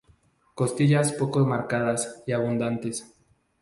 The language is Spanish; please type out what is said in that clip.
Costillas poco marcadas y abundantes.